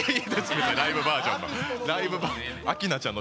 ライブバージョンの。